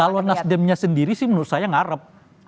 kalau nasdemnya sendiri sih menurut saya ngarep